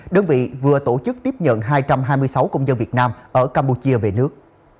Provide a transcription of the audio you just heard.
đơn vị vừa tổ chức tiếp nhận hai trăm hai mươi sáu công dân việt nam ở campuchia về nước